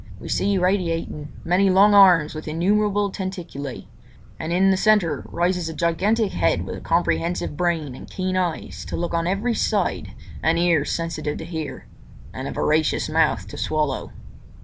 We see radiating many long arms with innumerable tentaculae, and in the centre rises a gigantic head with a comprehensive brain and keen eyes to look on every side and ears sensitive to hear—and a voracious mouth to swallow.